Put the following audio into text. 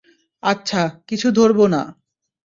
আচ্ছা, কিছু ধরব না।